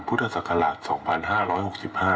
พุทธศักราช๒๕๖๕